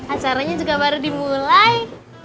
acaranya juga baru dimulai